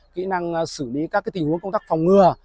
kỹ năng xử lý các tình huống công tác phòng ngừa